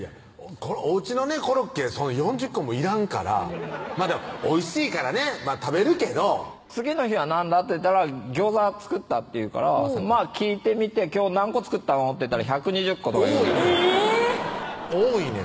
おうちのねコロッケ４０個もいらんからおいしいからね食べるけど「次の日は何だ？」って言ったら「ギョーザ作った」って言うから聞いてみて「今日何個作ったの？」って言ったら「１２０個」とか多いねん多いねん